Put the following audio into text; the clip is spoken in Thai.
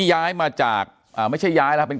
อย่างที่บอกไปว่าเรายังยึดในเรื่องของข้อ